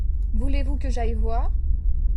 Voulez-vous que j’aille voir ?